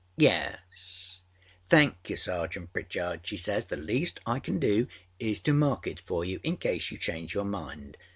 âYes, âThank you, Sergeant Pritchard,â she says. âThe least I can do is to mark it for you in case you change your mind.